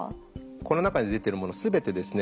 この中に出てるもの全てですね